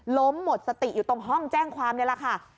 ล้มหมดสติอยู่ตรงห้องแจ้งความนี่แหละค่ะ